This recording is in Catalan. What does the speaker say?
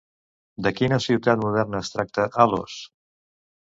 De quina ciutat moderna es tracta Halos?